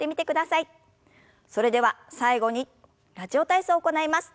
それでは最後に「ラジオ体操」を行います。